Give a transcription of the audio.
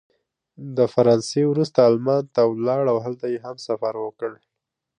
د فرانسې وروسته المان ته ولاړ او هلته یې هم سفر وکړ.